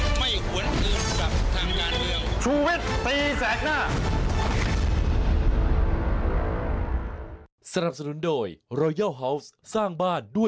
ไม่หวนอื่นกับทางด้านเดียว